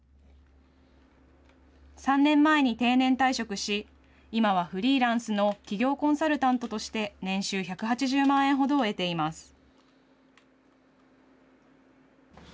３年前に定年退職し、今はフリーランスの企業コンサルタントとして年収１８０万円ほどを得ています。